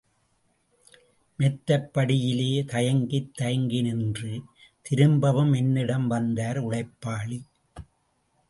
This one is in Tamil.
மெத்தைப் படியிலே தயங்கித் தயங்கி நின்று, திரும்பவும் என்னிடம் வந்தார் உழைப்பாளி.